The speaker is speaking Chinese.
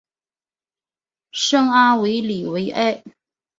圣阿维里维埃。